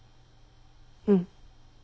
うん。